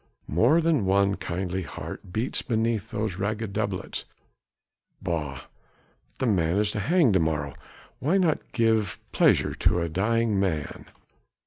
More than one kindly heart beats beneath these ragged doublets. Bah! the man is to hang to morrow, why not give pleasure to a dying man?